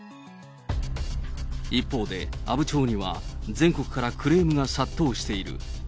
一方で、阿武町には全国からクレームが殺到している。